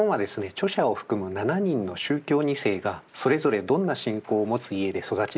著者を含む７人の宗教２世がそれぞれどんな信仰を持つ家で育ち